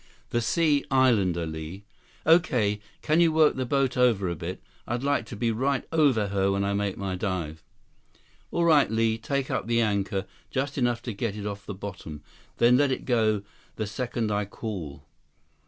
"The Sea Islander, Li." "Okay. Can you work the boat over a bit? I'd like to be right over her when I make my dive." "All right, Li. Take up the anchor. Just enough to get it off the bottom. Then let go the second I call."